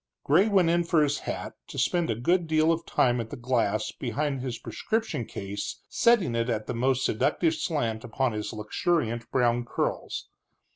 Gray went in for his hat, to spend a good deal of time at the glass behind his prescription case setting it at the most seductive slant upon his luxuriant brown curls.